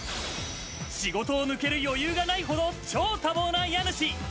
仕事を抜ける余裕がないほど超多忙な家主。